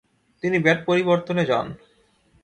তিনি ব্যাট পরিবর্তনে যান।